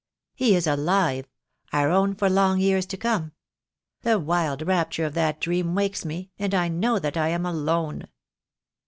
He is alive; our own for long years to come. The wild rapture of that dream wakes me, and I know that I am alone.